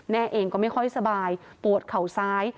แม่เองก็ไม่ค่อยสบายปวดเข่าซ้าย